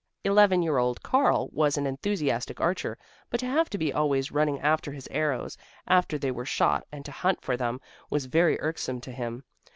Eleven year old Karl was an enthusiastic archer, but to have to be always running after his arrows after they were shot and to hunt for them was very irksome to him.